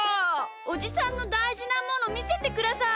おじさんのたいじなものみせてください！